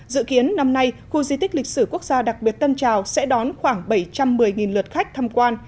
dự kiến năm nay khu di tích lịch sử quốc gia đặc biệt tân trào sẽ đón khoảng bảy trăm một mươi lượt khách tham quan